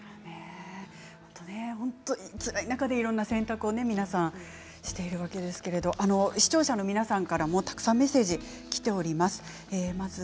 つらい中でいろんな選択をしているわけですけど視聴者の皆さんからもたくさんメッセージきています。